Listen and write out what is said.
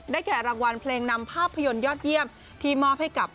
แก่รางวัลเพลงนำภาพยนตร์ยอดเยี่ยมที่มอบให้กับ